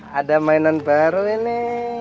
ada mainan baru ini